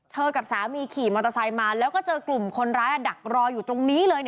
กับสามีขี่มอเตอร์ไซค์มาแล้วก็เจอกลุ่มคนร้ายดักรออยู่ตรงนี้เลย